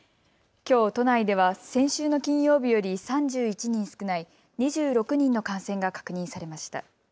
きょう都内では先週の金曜日より３１人少ない２６人の感染が確認されました。